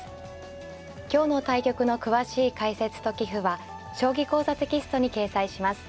今日の対局の詳しい解説と棋譜は「将棋講座」テキストに掲載します。